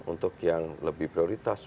untuk yang lebih prioritas